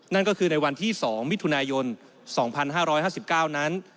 นั่นก็คือในวันที่๒มิถุนายน๒๕๕๙นั้น